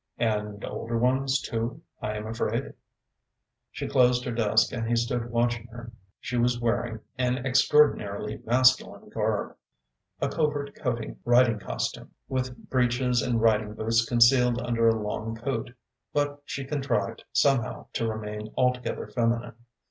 "And older ones too, I am afraid!" She closed her desk and he stood watching her. She was wearing an extraordinarily masculine garb a covert coating riding costume, with breeches and riding boots concealed under a long coat but she contrived, somehow, to remain altogether feminine.